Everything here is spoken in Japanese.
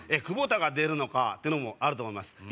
久保田が出るのかってのもあると思います